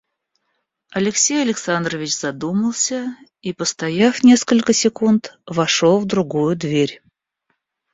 Алексей Александрович задумался и, постояв несколько секунд, вошел в другую дверь.